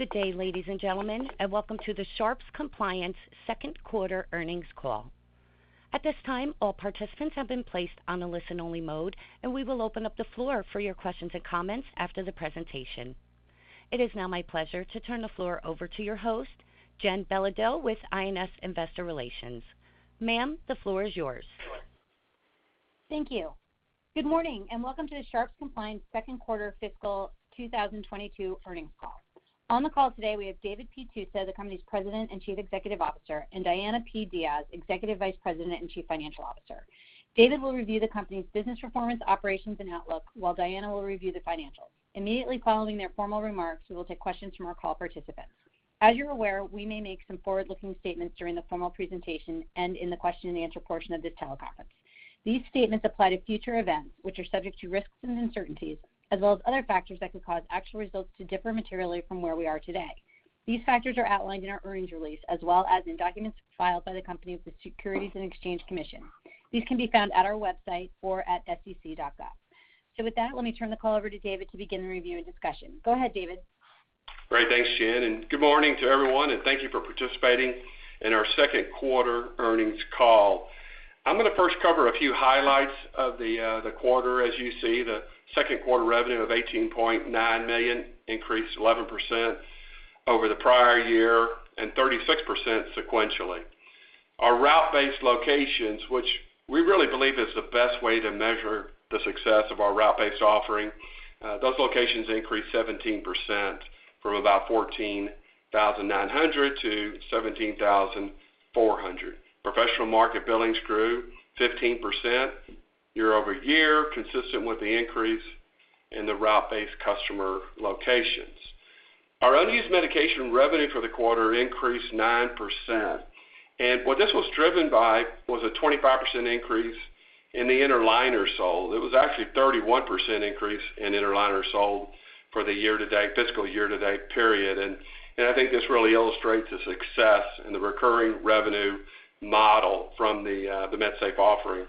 Good day, ladies and gentlemen, and welcome to the Sharps Compliance second quarter earnings call. At this time, all participants have been placed on a listen only mode, and we will open up the floor for your questions and comments after the presentation. It is now my pleasure to turn the floor over to your host, Jennifer Belodeau, with IMS Investor Relations. Ma'am, the floor is yours. Thank you. Good morning and welcome to the Sharps Compliance second quarter fiscal 2022 earnings call. On the call today, we have David P. Tusa, the company's President and Chief Executive Officer, and Diana P. Diaz, Executive Vice President and Chief Financial Officer. David will review the company's business performance, operations and outlook while Diana will review the financials. Immediately following their formal remarks, we will take questions from our call participants. As you're aware, we may make some forward-looking statements during the formal presentation and in the question and answer portion of this teleconference. These statements apply to future events which are subject to risks and uncertainties, as well as other factors that could cause actual results to differ materially from where we are today. These factors are outlined in our earnings release as well as in documents filed by the company with the Securities and Exchange Commission. These can be found at our website or at sec.gov. With that, let me turn the call over to David to begin the review and discussion. Go ahead, David. Great. Thanks, Jen, and good morning to everyone and thank you for participating in our second quarter earnings call. I'm gonna first cover a few highlights of the quarter. As you see, the second quarter revenue of $18.9 million increased 11% over the prior year and 36% sequentially. Our route-based locations, which we really believe is the best way to measure the success of our route-based offering, those locations increased 17% from about 14,900 to 17,400. Professional market billings grew 15% year-over-year, consistent with the increase in the route-based customer locations. Our unused medication revenue for the quarter increased 9%. What this was driven by was a 25% increase in the inner liner sold. It was actually a 31% increase in inner liner sold for the year to date, fiscal year to date period. I think this really illustrates the success and the recurring revenue model from the MedSafe offering.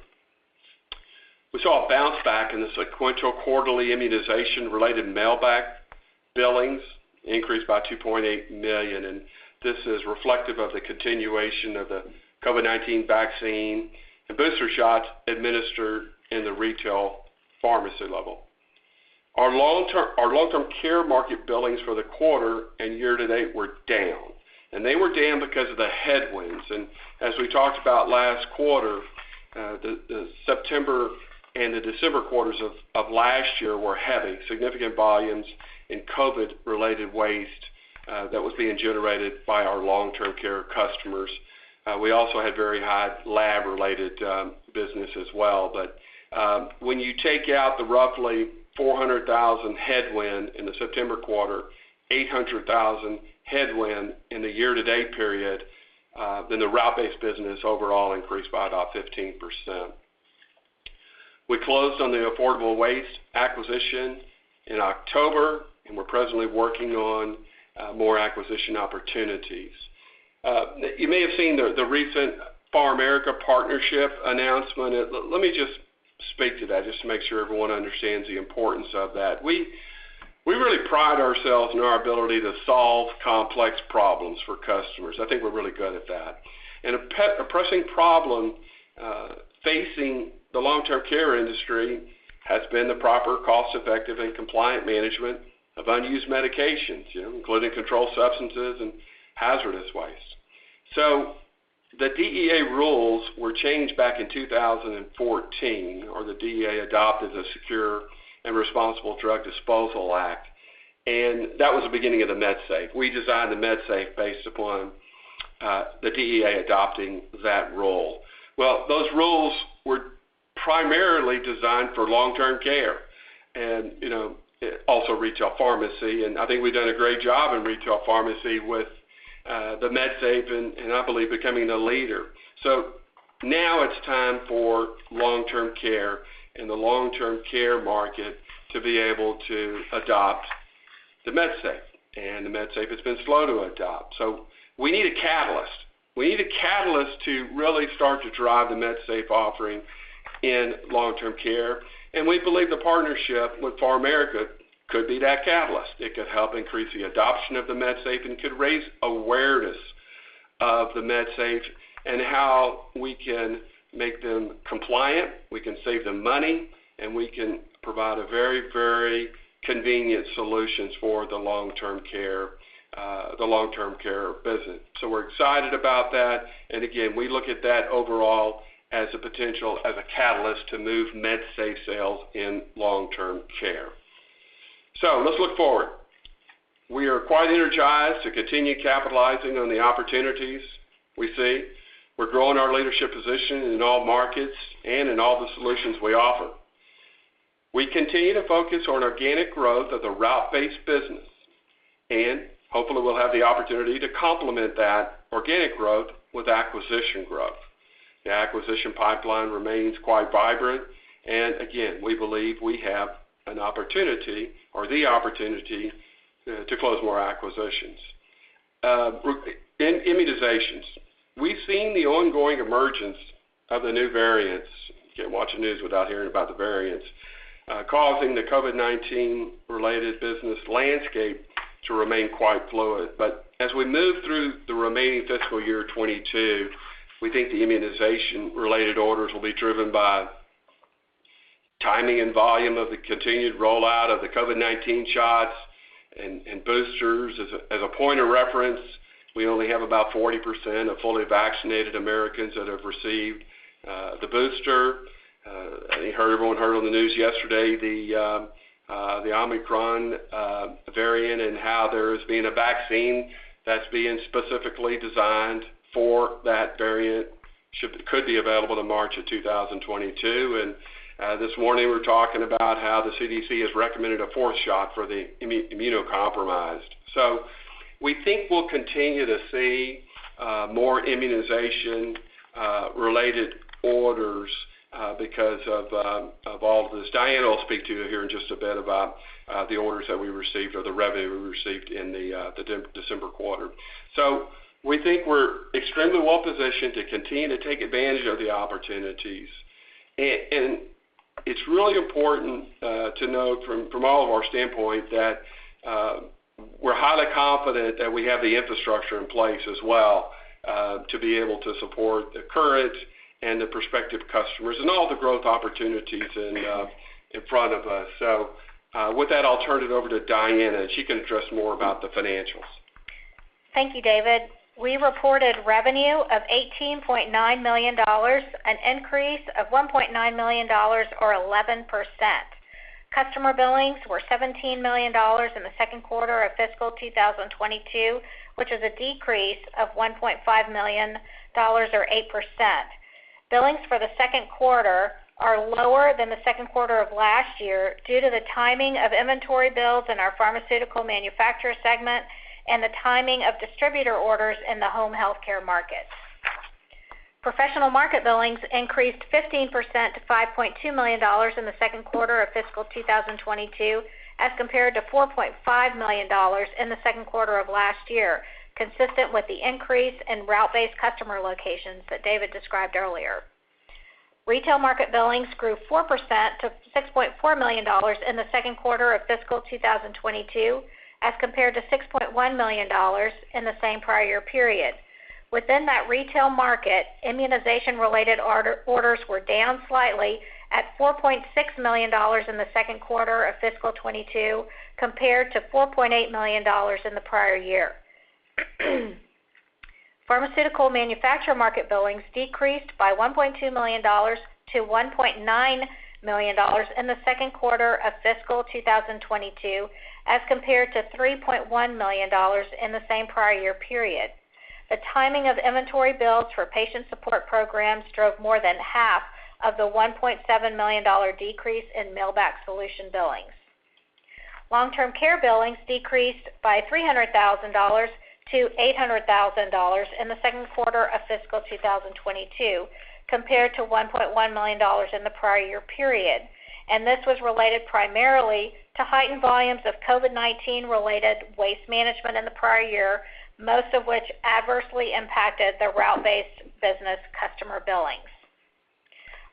We saw a bounce back in the sequential quarterly immunization-related mailback billings, increased by $2.8 million, and this is reflective of the continuation of the COVID-19 vaccine and booster shots administered in the retail pharmacy level. Our long-term care market billings for the quarter and year to date were down, and they were down because of the headwinds. As we talked about last quarter, the September and the December quarters of last year were heavy. Significant volumes in COVID-related waste that was being generated by our long-term care customers. We also had very high lab related business as well. When you take out the roughly $400,000 headwind in the September quarter, $800,000 headwind in the year to date period, then the route-based business overall increased by about 15%. We closed on the Affordable Waste acquisition in October and we're presently working on more acquisition opportunities. You may have seen the recent PharMerica partnership announcement. Let me just speak to that just to make sure everyone understands the importance of that. We really pride ourselves in our ability to solve complex problems for customers. I think we're really good at that. A pressing problem facing the long-term care industry has been the proper cost-effective and compliant management of unused medications, you know, including controlled substances and hazardous waste. The DEA rules were changed back in 2014, or the DEA adopted the Secure and Responsible Drug Disposal Act, and that was the beginning of the MedSafe. We designed the MedSafe based upon the DEA adopting that rule. Well, those rules were primarily designed for long-term care and, you know, also retail pharmacy. I think we've done a great job in retail pharmacy with the MedSafe and I believe becoming the leader. Now it's time for long-term care and the long-term care market to be able to adopt the MedSafe. The MedSafe has been slow to adopt, so we need a catalyst. We need a catalyst to really start to drive the MedSafe offering in long-term care. We believe the partnership with PharMerica could be that catalyst. It could help increase the adoption of the MedSafe and could raise awareness of the MedSafe and how we can make them compliant. We can save them money, and we can provide a very, very convenient solutions for the long-term care business. We're excited about that. Again, we look at that overall as a potential catalyst to move MedSafe sales in long-term care. Let's look forward. We are quite energized to continue capitalizing on the opportunities we see. We're growing our leadership position in all markets and in all the solutions we offer. We continue to focus on organic growth of the route-based business and hopefully we'll have the opportunity to complement that organic growth with acquisition growth. The acquisition pipeline remains quite vibrant and again, we believe we have an opportunity to close more acquisitions in immunizations. We've seen the ongoing emergence of the new variants, can't watch the news without hearing about the variants, causing the COVID-19 related business landscape to remain quite fluid. As we move through the remaining fiscal year 2022, we think the immunization related orders will be driven by timing and volume of the continued rollout of the COVID-19 shots and boosters. As a point of reference, we only have about 40% of fully vaccinated Americans that have received the booster. You heard, everyone heard on the news yesterday, the Omicron variant and how there's been a vaccine that's being specifically designed for that variant. Could be available in March 2022. This morning we're talking about how the CDC has recommended a fourth shot for the immunocompromised. We think we'll continue to see more immunization related orders because of all this. Diana will speak to you here in just a bit about the orders that we received or the revenue we received in the December quarter. We think we're extremely well positioned to continue to take advantage of the opportunities. It's really important to note from all of our standpoint that we're highly confident that we have the infrastructure in place as well to be able to support the current and the prospective customers and all the growth opportunities in front of us. With that, I'll turn it over to Diana, and she can address more about the financials. Thank you, David. We reported revenue of $18.9 million, an increase of $1.9 million or 11%. Customer billings were $17 million in the second quarter of fiscal 2022, which is a decrease of $1.5 million or 8%. Billings for the second quarter are lower than the second quarter of last year due to the timing of inventory bills in our pharmaceutical manufacturer segment and the timing of distributor orders in the home healthcare market. Professional market billings increased 15% to $5.2 million in the second quarter of fiscal 2022, as compared to $4.5 million in the second quarter of last year, consistent with the increase in route-based customer locations that David described earlier. Retail market billings grew 4%-$6.4 million in the second quarter of fiscal 2022, as compared to $6.1 million in the same prior period. Within that retail market, immunization-related orders were down slightly at $4.6 million in the second quarter of fiscal 2022, compared to $4.8 million in the prior year. Pharmaceutical manufacturer market billings decreased by $1.2 million-$1.9 million in the second quarter of fiscal 2022, as compared to $3.1 million in the same prior year period. The timing of inventory bills for patient support programs drove more than half of the $1.7 million decrease in mail back solution billings. Long-term care billings decreased by $300,000-$800,000 in the second quarter of fiscal 2022, compared to $1.1 million in the prior year period. This was related primarily to heightened volumes of COVID-19 related waste management in the prior year, most of which adversely impacted the route-based business customer billings.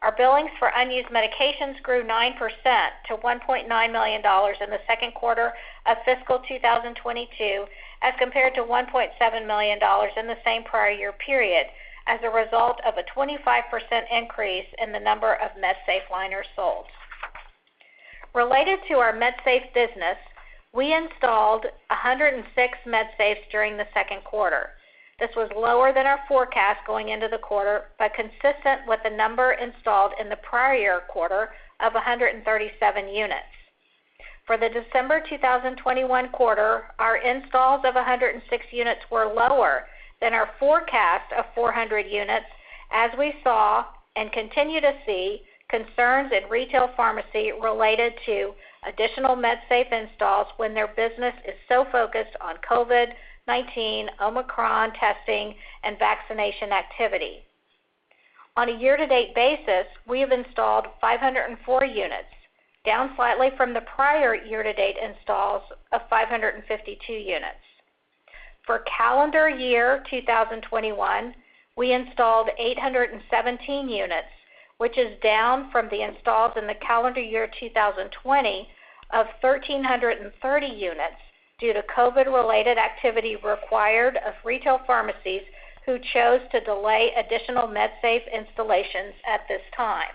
Our billings for unused medications grew 9%-$1.9 million in the second quarter of fiscal 2022, as compared to $1.7 million in the same prior year period as a result of a 25% increase in the number of MedSafe liners sold. Related to our MedSafe business, we installed 106 MedSafes during the second quarter. This was lower than our forecast going into the quarter, but consistent with the number installed in the prior quarter of 137 units. For the December 2021 quarter, our installs of 106 units were lower than our forecast of 400 units, as we saw and continue to see concerns in retail pharmacy related to additional MedSafe installs when their business is so focused on COVID-19, Omicron testing, and vaccination activity. On a year-to-date basis, we have installed 504 units, down slightly from the prior year-to-date installs of 552 units. For calendar year 2021, we installed 817 units, which is down from the installs in the calendar year 2020 of 1,330 units due to COVID-related activity required of retail pharmacies who chose to delay additional MedSafe installations at this time.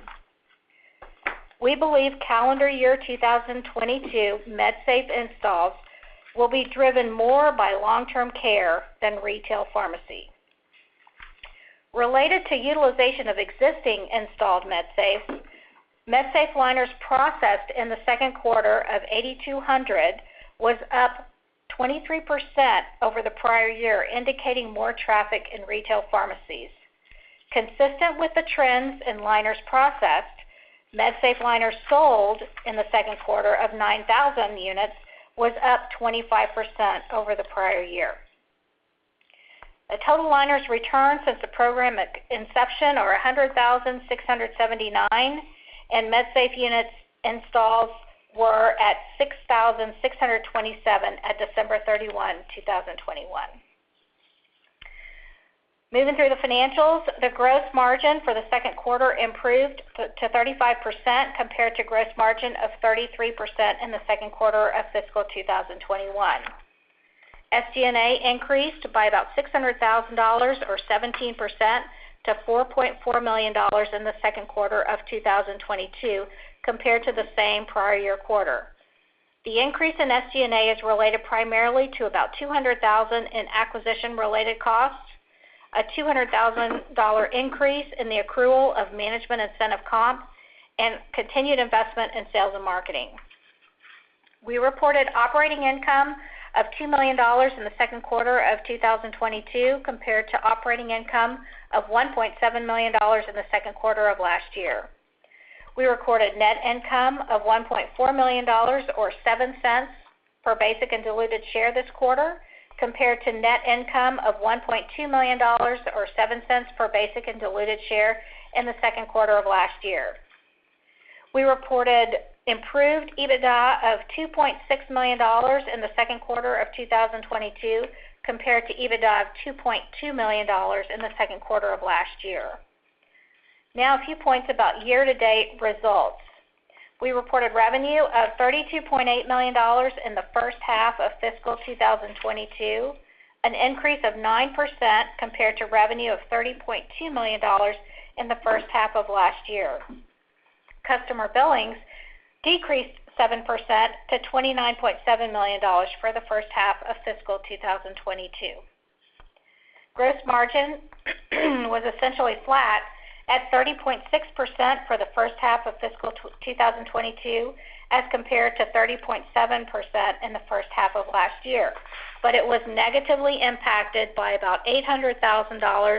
We believe calendar year 2022 MedSafe installs will be driven more by long-term care than retail pharmacy. Related to utilization of existing installed MedSafe liners processed in the second quarter of 2022, 8,200 was up 23% over the prior year, indicating more traffic in retail pharmacies. Consistent with the trends in liners processed, MedSafe liners sold in the second quarter of 9,000 units was up 25% over the prior year. The total liners returned since the program at inception are 100,679, and MedSafe units installs were at 6,627 at December 31, 2021. Moving through the financials, the gross margin for the second quarter improved to 35% compared to gross margin of 33% in the second quarter of fiscal 2021. SG&A increased by about $600,000 or 17% to $4.4 million in the second quarter of 2022 compared to the same prior year quarter. The increase in SG&A is related primarily to about $200,000 in acquisition-related costs, a $200,000 increase in the accrual of management incentive comp, and continued investment in sales and marketing. We reported operating income of $2 million in the second quarter of 2022 compared to operating income of $1.7 million in the second quarter of last year. We recorded net income of $1.4 million or $0.07 per basic and diluted share this quarter compared to net income of $1.2 million or $0.07 per basic and diluted share in the second quarter of last year. We reported improved EBITDA of $2.6 million in the second quarter of 2022 compared to EBITDA of $2.2 million in the second quarter of last year. Now a few points about year-to-date results. We reported revenue of $32.8 million in the first half of fiscal 2022, an increase of 9% compared to revenue of $30.2 million in the first half of last year. Customer billings decreased 7% to $29.7 million for the first half of fiscal 2022. Gross margin was essentially flat at 30.6% for the first half of fiscal 2022, as compared to 30.7% in the first half of last year. It was negatively impacted by about $800,000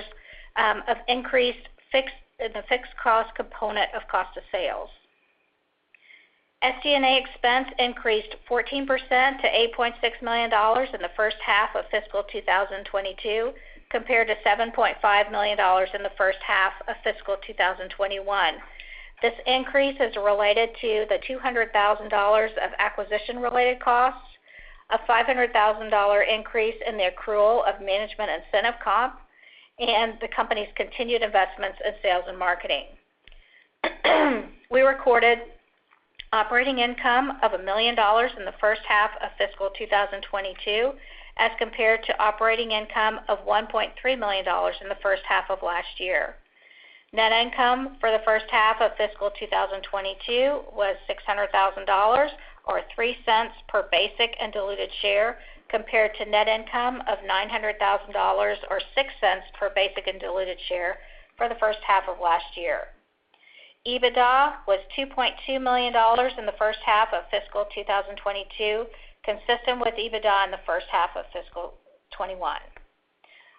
of the fixed cost component of cost of sales. SG&A expense increased 14% to $8.6 million in the first half of fiscal 2022 compared to $7.5 million in the first half of fiscal 2021. This increase is related to the $200,000 of acquisition-related costs, a $500,000 increase in the accrual of management incentive comp, and the company's continued investments in sales and marketing. We recorded operating income of $1 million in the first half of fiscal 2022 as compared to operating income of $1.3 million in the first half of last year. Net income for the first half of fiscal 2022 was $600,000 or $0.03 per basic and diluted share compared to net income of $900,000 or $0.06 per basic and diluted share for the first half of last year. EBITDA was $2.2 million in the first half of fiscal 2022, consistent with EBITDA in the first half of fiscal 2021.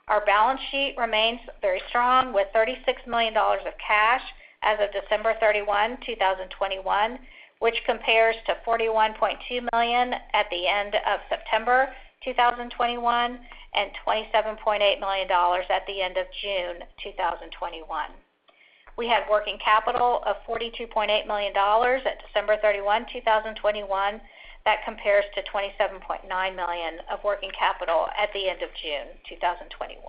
Our balance sheet remains very strong with $36 million of cash as of December 31, 2021, which compares to $41.2 million at the end of September 2021 and $27.8 million at the end of June 2021. We have working capital of $42.8 million at December 31, 2021. That compares to $27.9 million of working capital at the end of June 2021.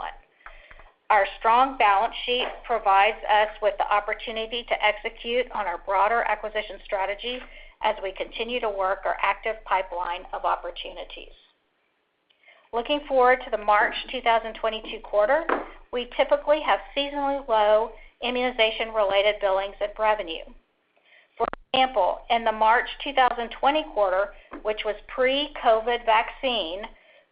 Our strong balance sheet provides us with the opportunity to execute on our broader acquisition strategy as we continue to work our active pipeline of opportunities. Looking forward to the March 2022 quarter, we typically have seasonally low immunization-related billings of revenue. For example, in the March 2020 quarter, which was pre-COVID vaccine,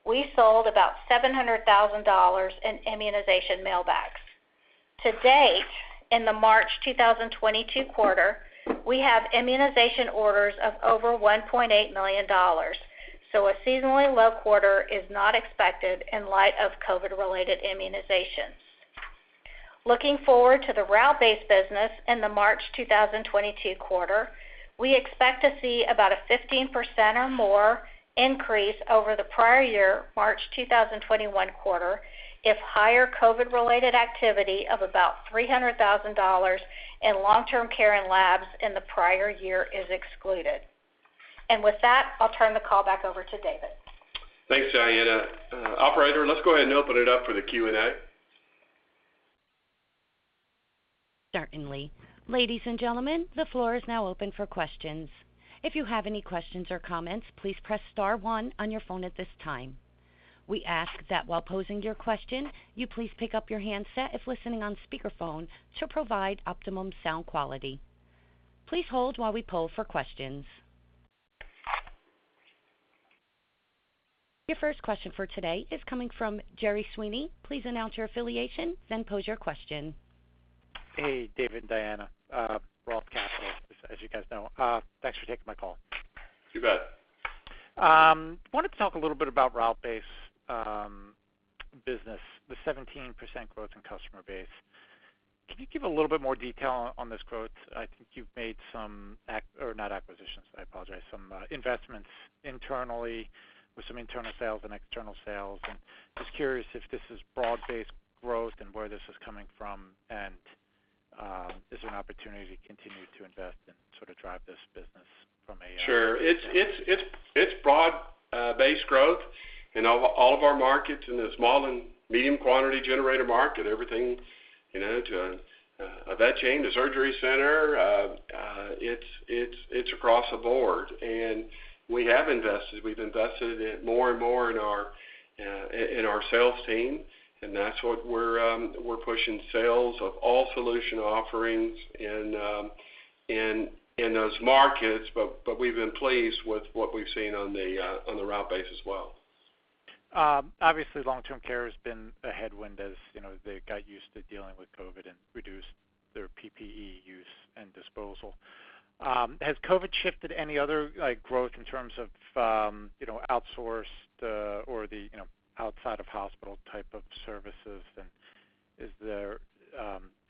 we sold about $700,000 in immunization mailbacks. To date, in the March 2022 quarter, we have immunization orders of over $1.8 million, so a seasonally low quarter is not expected in light of COVID-related immunizations. Looking forward to the route-based business in the March 2022 quarter, we expect to see about a 15% or more increase over the prior year, March 2021 quarter, if higher COVID-related activity of about $300,000 in long-term care and labs in the prior year is excluded. With that, I'll turn the call back over to David. Thanks, Diana. Operator, let's go ahead and open it up for the Q&A. Certainly. Ladies and gentlemen, the floor is now open for questions. If you have any questions or comments, please press star one on your phone at this time. We ask that while posing your question, you please pick up your handset if listening on speakerphone to provide optimum sound quality. Please hold while we poll for questions. Your first question for today is coming from Gerry Sweeney. Please announce your affiliation, then pose your question. Hey, David and Diana, Roth Capital, as you guys know. Thanks for taking my call. You bet. Wanted to talk a little bit about route-based business, the 17% growth in customer base. Can you give a little bit more detail on this growth? I think you've made some or not acquisitions, I apologize. Some investments internally with some internal sales and external sales. Just curious if this is broad-based growth and where this is coming from, and is there an opportunity to continue to invest and sort of drive this business from a Sure. It's broad base growth in all of our markets in the small and medium quantity generator market, everything, you know, to a vet chain, to surgery center. It's across the board. We've invested in more and more in our sales team, and that's what we're pushing sales of all solution offerings in those markets. We've been pleased with what we've seen on the route base as well. Obviously, long-term care has been a headwind as, you know, they got used to dealing with COVID and reduced their PPE use and disposal. Has COVID shifted any other like growth in terms of, you know, outsourced or the, you know, outside of hospital type of services? Is there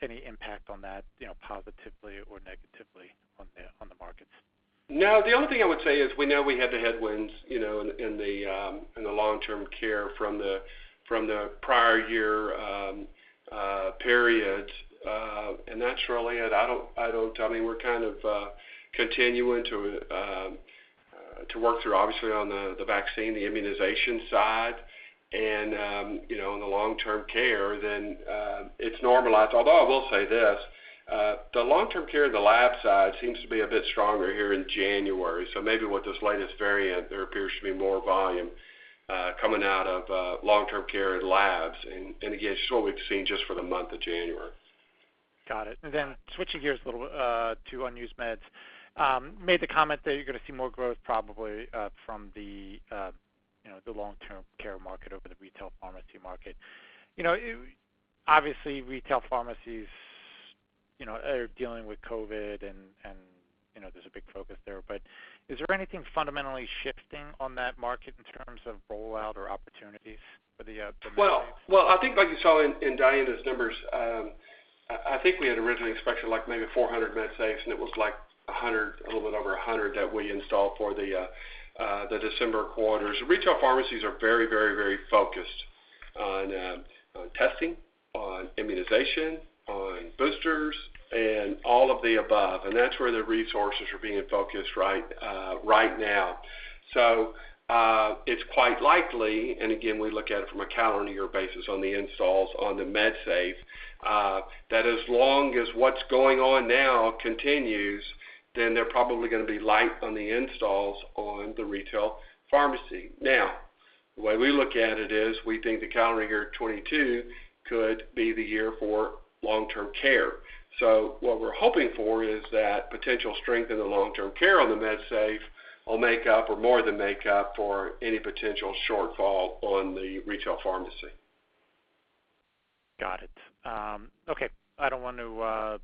any impact on that, you know, positively or negatively on the markets? No, the only thing I would say is we know we had the headwinds, you know, in the long-term care from the prior year period. That's really it. I don't. I mean, we're kind of continuing to work through obviously on the vaccine, the immunization side. You know, in the long-term care then, it's normalized. Although I will say this, the long-term care and the lab side seems to be a bit stronger here in January. So maybe with this latest variant, there appears to be more volume coming out of long-term care and labs. Again, it's really we've seen just for the month of January. Got it. Then switching gears a little bit to unused meds. Made the comment that you're gonna see more growth probably from the you know the long-term care market over the retail pharmacy market. You know obviously retail pharmacies you know are dealing with COVID and you know there's a big focus there, but is there anything fundamentally shifting on that market in terms of rollout or opportunities for the MedSafe? Well, I think like you saw in Diana's numbers, I think we had originally expected like maybe 400 MedSafes, and it was like 100, a little bit over 100 that we installed for the December quarters. Retail pharmacies are very focused on testing, on immunization, on boosters, and all of the above, and that's where the resources are being focused right now. It's quite likely, and again, we look at it from a calendar year basis on the installs on the MedSafe, that as long as what's going on now continues, then they're probably gonna be light on the installs on the retail pharmacy. Now, the way we look at it is we think the calendar year 2022 could be the year for long-term care. What we're hoping for is that potential strength in the long-term care on the MedSafe will make up or more than make up for any potential shortfall on the retail pharmacy. Got it. Okay, I don't want to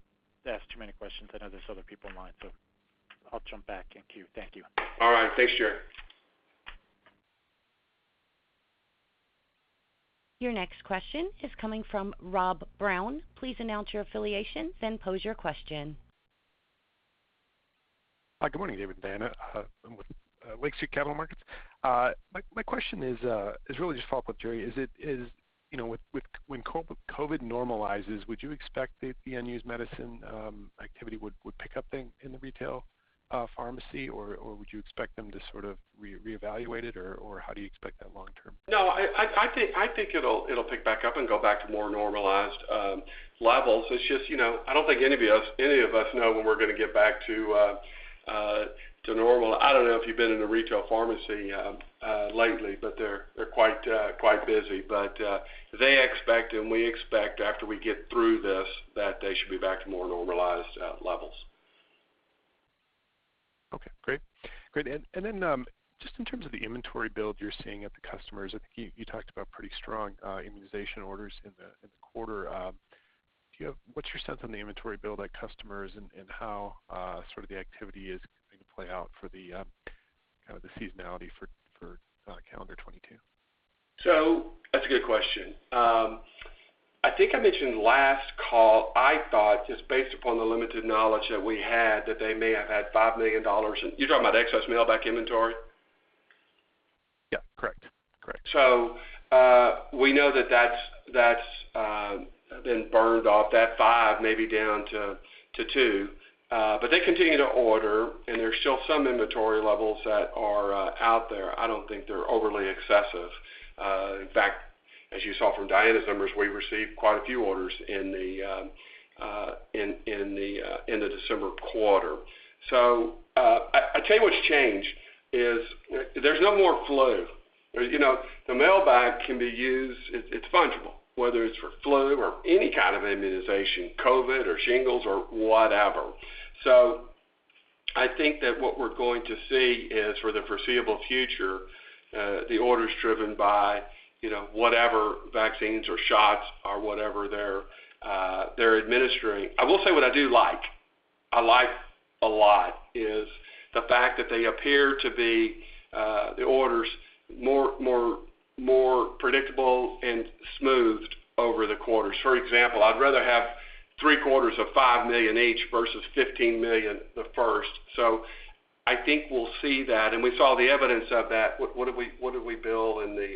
ask too many questions. I know there's other people in line, so I'll jump back in queue. Thank you. All right. Thanks, Gerry. Your next question is coming from Rob Brown. Please announce your affiliation, then pose your question. Hi, good morning, David and Diana. I'm with Lake Street Capital Markets. My question is really just a follow-up, Jerry. Is it, you know, with when COVID normalizes, would you expect the unused medicine activity would pick up in the retail pharmacy, or would you expect them to sort of reevaluate it, or how do you expect that long term? No, I think it'll pick back up and go back to more normalized levels. It's just, you know, I don't think any of us know when we're gonna get back to normal. I don't know if you've been in a retail pharmacy lately, but they're quite busy. They expect, and we expect after we get through this, that they should be back to more normalized levels. Okay, great. Great. Then, just in terms of the inventory build you're seeing at the customers, I think you talked about pretty strong immunization orders in the quarter. What's your sense on the inventory build at customers and how sort of the activity is going to play out for the kind of the seasonality for calendar 2022? That's a good question. I think I mentioned last call, I thought, just based upon the limited knowledge that we had, that they may have had $5 million in... You're talking about excess mailbag inventory? Yeah, correct. We know that that's been burned off, that five maybe down to two. But they continue to order, and there's still some inventory levels that are out there. I don't think they're overly excessive. In fact, as you saw from Diana's numbers, we received quite a few orders in the December quarter. I tell you what's changed is there's no more flu. You know, the mailbag can be used, it's fungible, whether it's for flu or any kind of immunization, COVID or shingles or whatever. I think that what we're going to see is, for the foreseeable future, the orders driven by, you know, whatever vaccines or shots or whatever they're administering. I like a lot is the fact that they appear to be the orders more predictable and smoothed over the quarters. For example, I'd rather have 3 quarters of $5 million each versus $15 million the first. I think we'll see that, and we saw the evidence of that. What did we bill in the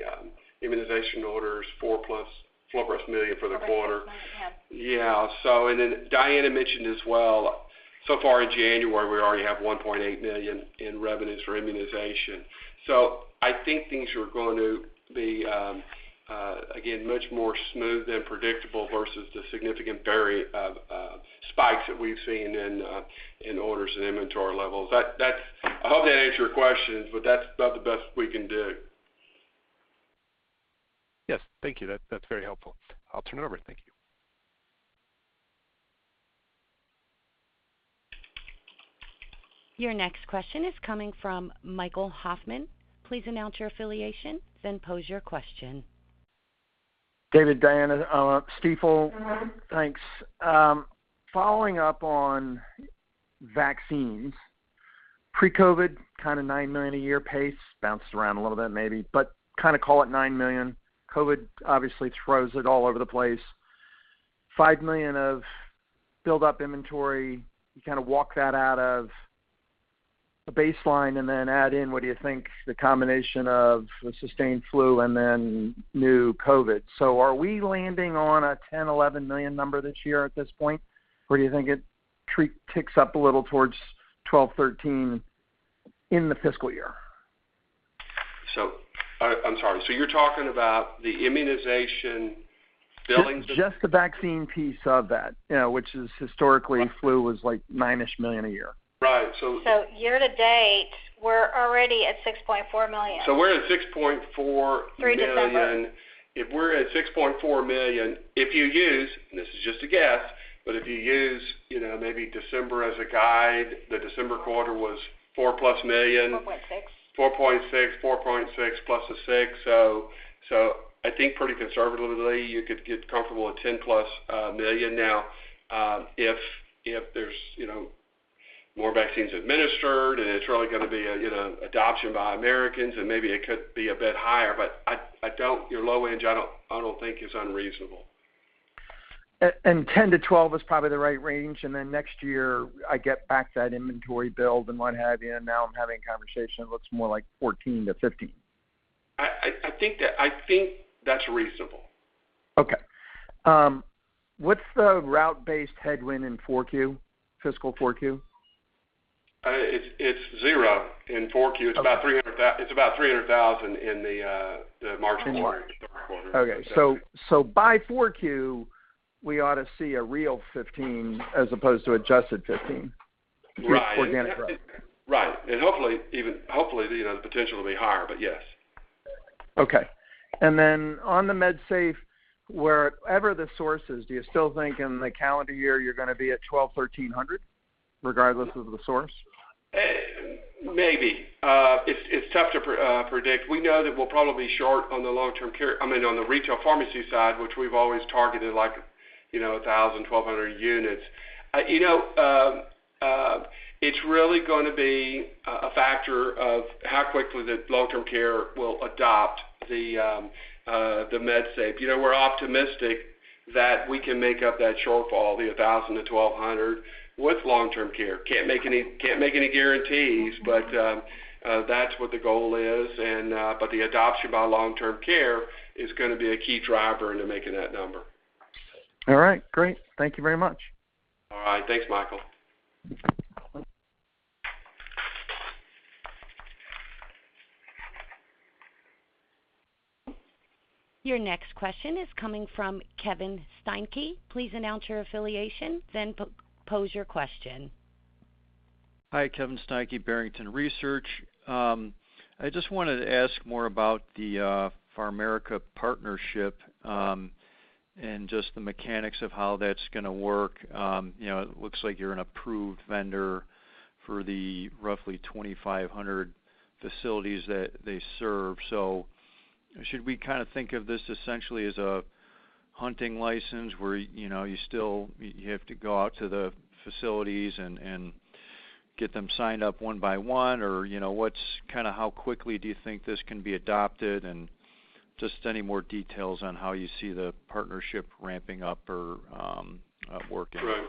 immunization orders? $4+ million for the quarter. four point something, yeah. Diana mentioned as well, so far in January, we already have $1.8 million in revenues for immunization. I think things are going to be again much more smooth and predictable versus the significant variability spikes that we've seen in orders and inventory levels. That's. I hope that answered your questions, but that's about the best we can do. Yes. Thank you. That's very helpful. I'll turn it over. Thank you. Your next question is coming from Michael Hoffman. Please announce your affiliation, then pose your question. David, Diana, Stifel. Thanks. Following up on vaccines, pre-COVID, kind of 9 million a year pace, bounced around a little bit maybe, but kind of call it 9 million. COVID obviously throws it all over the place. 5 million of built-up inventory, you kind of walk that out of a baseline and then add in what you think the combination of the sustained flu and then new COVID. Are we landing on a 10-11 million number this year at this point? Or do you think it ticks up a little towards 12-13 in the fiscal year? I'm sorry. You're talking about the immunization billings- Just the vaccine piece of that, you know, which is historically flu was like 9-ish million a year. Right. Year to date, we're already at $6.4 million. We're at $6.4 million. Through December. If we're at $6.4 million, if you use, and this is just a guess, but if you use, you know, maybe December as a guide, the December quarter was $4+ million. 4.6. $4.6 million, $4.6 million plus the $6 million. I think pretty conservatively, you could get comfortable with $10+ million. Now, if there's, you know, more vaccines administered, and it's really gonna be a, you know, adoption by Americans, and maybe it could be a bit higher, but I don't think your low end is unreasonable. 10-12 is probably the right range, and then next year I get back that inventory build and what have you, and now I'm having a conversation that looks more like 14-15. I think that's reasonable. Okay. What's the route-based headwind in Q4, fiscal Q4? It's zero in 4Q. Okay. It's about $300,000 in the March quarter. March quarter. Okay. By Q4, we ought to see a real 15% as opposed to adjusted 15%. Right. Organic growth. Right. Hopefully, even hopefully, you know, the potential will be higher, but yes. Okay. On the MedSafe, wherever the source is, do you still think in the calendar year you're gonna be at 1,200-1,300 regardless of the source? Maybe. It's tough to predict. We know that we're probably short on the long-term care. I mean, on the retail pharmacy side, which we've always targeted, like, you know, 1,000-1,200 units. It's really gonna be a factor of how quickly the long-term care will adopt the MedSafe. You know, we're optimistic that we can make up that shortfall, the 1,000-1,200 with long-term care. Can't make any guarantees, but that's what the goal is. The adoption by long-term care is gonna be a key driver into making that number. All right. Great. Thank you very much. All right. Thanks, Michael. Your next question is coming from Kevin Steinke. Please announce your affiliation, then propose your question. Hi. Kevin Steinke, Barrington Research. I just wanted to ask more about the PharMerica partnership and just the mechanics of how that's gonna work. You know, it looks like you're an approved vendor for the roughly 2,500 facilities that they serve. So should we kind of think of this essentially as a hunting license where, you know, you still have to go out to the facilities and get them signed up one by one, or, you know, what's kind of how quickly do you think this can be adopted? Just any more details on how you see the partnership ramping up or working. Right.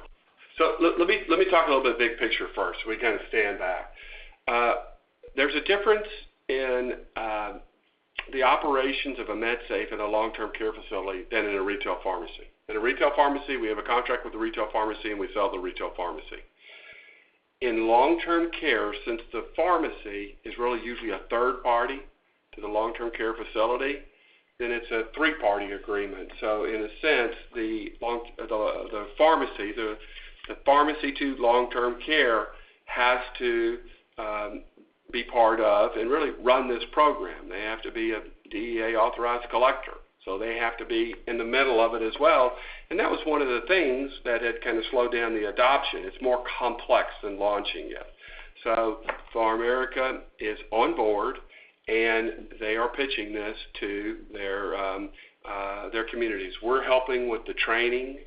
Let me talk a little bit big picture first, so we kind of stand back. There's a difference in the operations of a MedSafe at a long-term care facility than in a retail pharmacy. In a retail pharmacy, we have a contract with the retail pharmacy, and we sell the retail pharmacy. In long-term care, since the pharmacy is really usually a third party to the long-term care facility, then it's a three-party agreement. In a sense, the pharmacy to long-term care has to be part of and really run this program. They have to be a DEA-authorized collector, so they have to be in the middle of it as well. That was one of the things that had kind of slowed down the adoption. It's more complex than launching it. PharMerica is on board, and they are pitching this to their communities. We're helping with the training.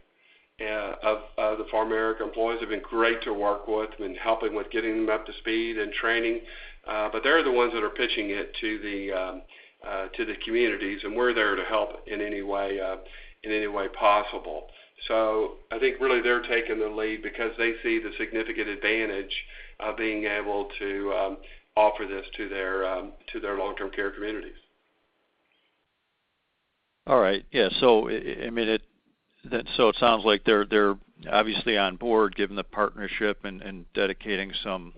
Yeah, the PharMerica employees have been great to work with and helping with getting them up to speed and training. But they're the ones that are pitching it to the communities, and we're there to help in any way possible. I think really they're taking the lead because they see the significant advantage of being able to offer this to their long-term care communities. All right. Yeah, I mean, it sounds like they're obviously on board, given the partnership and dedicating some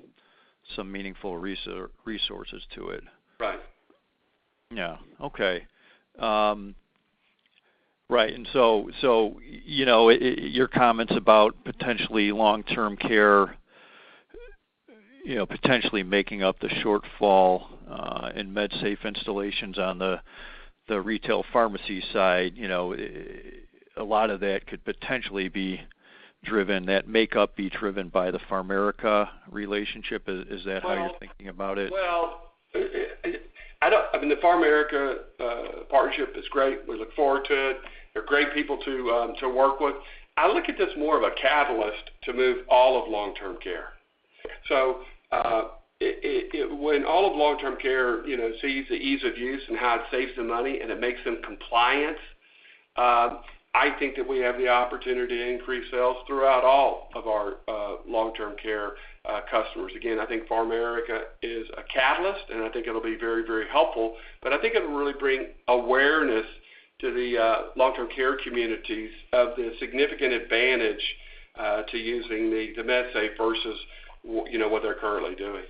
meaningful resources to it. Right. Your comments about potentially long-term care, you know, potentially making up the shortfall in MedSafe installations on the retail pharmacy side, you know, a lot of that could potentially be driven, that makeup be driven by the PharMerica relationship. Is that how you're thinking about it? Well, I mean, the PharMerica partnership is great. We look forward to it. They're great people to work with. I look at this more of a catalyst to move all of long-term care. When all of long-term care, you know, sees the ease of use and how it saves them money and it makes them compliant, I think that we have the opportunity to increase sales throughout all of our long-term care customers. Again, I think PharMerica is a catalyst, and I think it'll be very, very helpful, but I think it'll really bring awareness to the long-term care communities of the significant advantage to using the MedSafe versus, you know, what they're currently doing.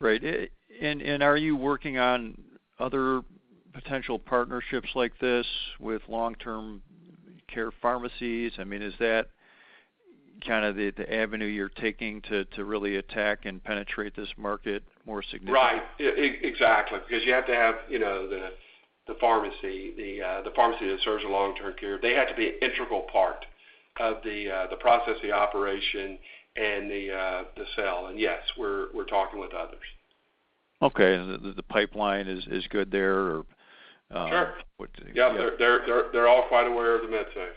Right. Are you working on other potential partnerships like this with long-term care pharmacies? I mean, is that kind of the avenue you're taking to really attack and penetrate this market more significantly? Right. Exactly. Because you have to have, you know, the pharmacy that serves the long-term care. They have to be an integral part of the process, the operation and the sale. Yes, we're talking with others. Okay. The pipeline is good there or Sure. What? Yeah. Yeah, they're all quite aware of the MedSafe.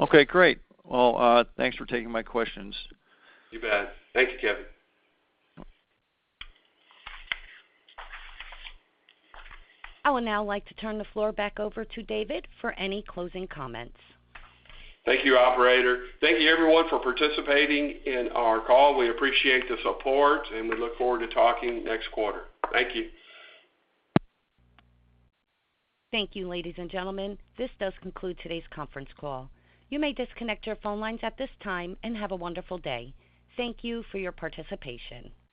Okay, great. Well, thanks for taking my questions. You bet. Thank you, Kevin. I would now like to turn the floor back over to David for any closing comments. Thank you, operator. Thank you everyone for participating in our call. We appreciate the support, and we look forward to talking next quarter. Thank you. Thank you, ladies and gentlemen. This does conclude today's conference call. You may disconnect your phone lines at this time and have a wonderful day. Thank you for your participation.